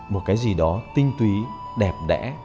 một cái gì đó tinh túy đẹp đẽ